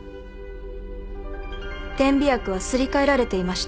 点鼻薬はすり替えられていました。